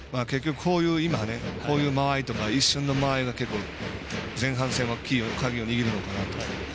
今のこういう間合いとか一瞬の間合いが前半戦は鍵を握るのかなと。